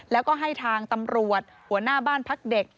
แล้วก็ให้ทางตำรวจหัวหน้าบ้านพักเด็ก